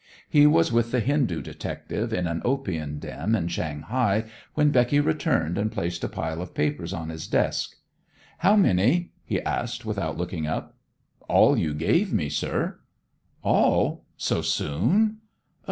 He was with the Hindu detective in an opium den in Shanghai when Becky returned and placed a pile of papers on his desk. "How many?" he asked, without looking up. "All you gave me, sir." "All, so soon?